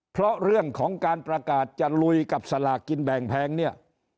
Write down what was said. เพราะเรื่องของการประกาศจะลุยกับสลากกินแบ่งแพงเนี่ย